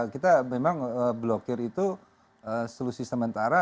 kita memang blokir itu solusi sementara